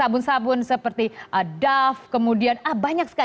sabun sabun seperti adaf kemudian banyak sekali